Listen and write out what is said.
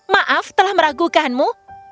maaf telah meragukanmu